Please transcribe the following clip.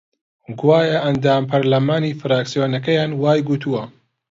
گوایە ئەندام پەرلەمانی فراکسیۆنەکەیان وای گوتووە